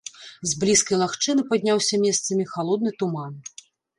З блізкай лагчыны падняўся месцамі халодны туман.